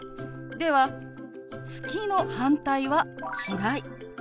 では「好き」の反対は「嫌い」。